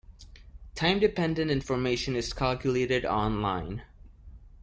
Time dependent information is calculated on-line.